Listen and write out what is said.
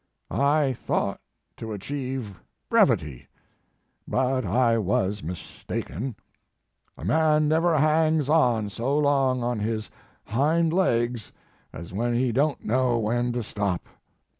I thought to achieve brevity, but I was mistaken. A man never hangs on so long on his hind legs as when he don t know when to stop.